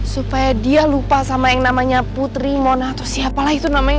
supaya dia lupa sama yang namanya putri mona atau siapalah itu namanya